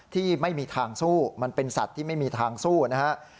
ที่ไม่มีทางสู้มันเป็นสัตว์ที่ไม่มีทางสู้นะครับ